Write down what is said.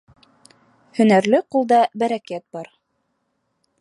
Һөнәрле ҡулда бәрәкәт бар.